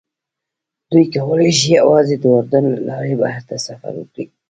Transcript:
دوی کولی شي یوازې د اردن له لارې بهر ته سفر وکړي.